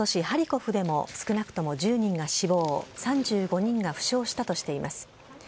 ハリコフでも少なくとも１０人が死亡、３５人が負傷したとしています。